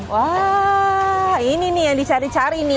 wah ini nih yang dicari cari nih